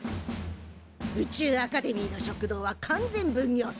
宇宙アカデミーの食堂は完全分業制。